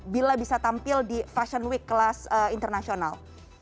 bila bisa tampil di fashion week kelas internasional